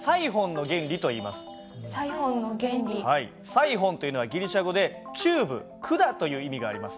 サイホンというのはギリシャ語でチューブ管という意味があります。